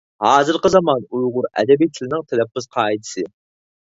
ھازىرقى زامان ئۇيغۇر ئەدەبىي تىلىنىڭ تەلەپپۇز قائىدىسى